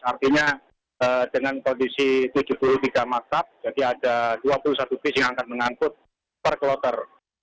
artinya dengan kondisi tujuh puluh tiga maktab jadi ada dua puluh satu bis yang akan mengangkut per kloter